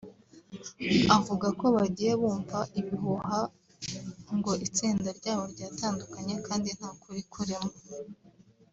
avuga ko bagiye bumva ibihuha ngo itsinda ryabo ryatandukanye kandi nta kuri kurimo